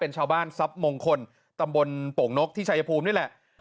ชาวบ้านทรัพย์มงคลตำบลโป่งนกที่ชายภูมินี่แหละ